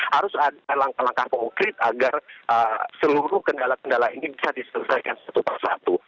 harus ada langkah langkah konkret agar seluruh kendala kendala ini bisa diselesaikan satu persatu